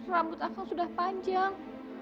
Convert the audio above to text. rambut akang sudah panjang